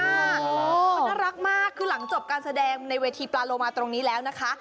มันน่ารักมากคือหลังจบการแสดงในเวทีปลาโลมาตรงนี้แล้วนะคะ